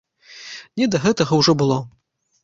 Не да гэтага ўжо было.